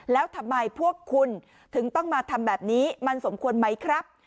แล้วทำไมพวกคุณถึงต้องมาทำแบบนี้มันสมควรไหมครับ